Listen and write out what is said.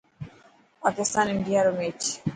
پاڪستان انڊيا رو ميچ